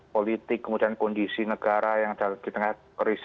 politik kemudian kondisi negara yang di tengah koreksipasi